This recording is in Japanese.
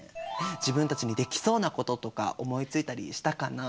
自分たちにできそうなこととか思いついたりしたかな？